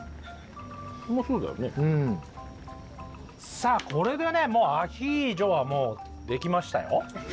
さあこれでねもうアヒージョはもうできましたよ。